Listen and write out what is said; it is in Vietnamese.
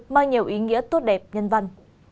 mang nhiều ý nghĩa tốt đẹp nhân văn